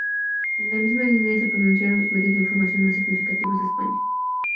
En la misma línea se pronunciaron los medios de información más significativos de España.